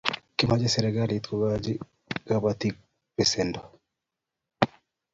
Kimakchini serikalit kokochi kabatik pesendo